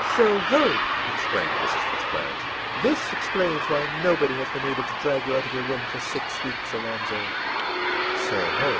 ìSoho!î exclaimed Mrs. Fitz Clarence, ìthis explains why nobody has been able to drag you out of your room for six weeks, Alonzo!î ìSo ho!